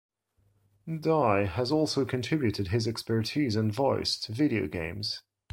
Dye has also contributed his expertise and voice to video games.